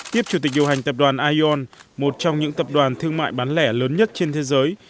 tiếp chủ tịch điều hành tập đoàn ion một trong những tập đoàn thương mại bán lẻ lớn nhất trên thế giới